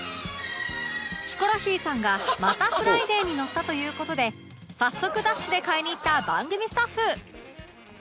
ヒコロヒーさんがまた『ＦＲＩＤＡＹ』に載ったという事で早速ダッシュで買いに行った番組スタッフ